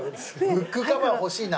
「ブックカバー欲しいな」